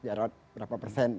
jarak berapa persen